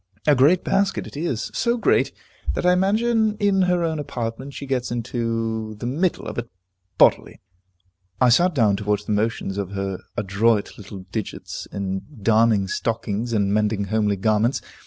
A great basket it is, so great, that I imagine in her own apartment she gets into the middle of it bodily. I sat down to watch the motions of her adroit little digits in darning stockings, and mending homely garments.